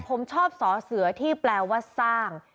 ผมชอบสอเสือที่แปลว่าสร้าง